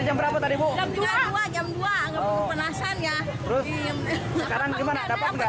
jam berapa tadi bukanya dua jam dua penasan ya terus sekarang gimana dapat nggak